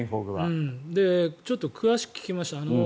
ちょっと詳しく聞きました。